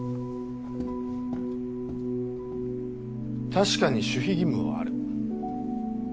確かに守秘義務はある。